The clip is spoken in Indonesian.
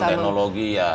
ketergantungan teknologi ya